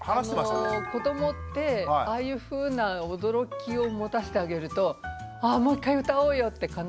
あの子どもってああいうふうな驚きを持たしてあげるとあもう一回歌おうよって必ず言うんです。